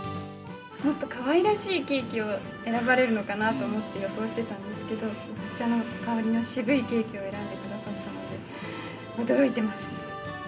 もっとかわいらしいケーキを選ばれるのかなと思って予想してたんですけど、抹茶の香りの渋いケーキを選んでくださったので、驚いてます。